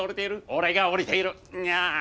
俺が降りているああ。